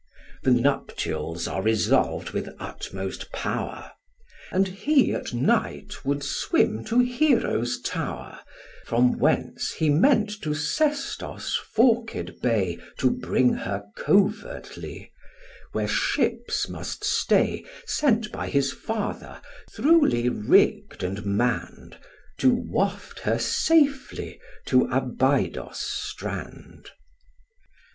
The nuptials are resolv'd with utmost power; And he at night would swim to Hero's tower, From whence he meant to Sestos' forked bay To bring her covertly, where ships must stay, Sent by his father, throughly rigg'd and mann'd, To waft her safely to Abydos' strand.